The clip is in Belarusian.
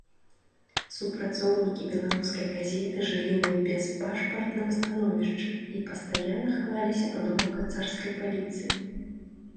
Супрацоўнікі беларускай газеты жылі на бяспашпартным становішчы і пастаянна хаваліся ад вока царскай паліцыі.